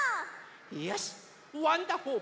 よしワンダホー☆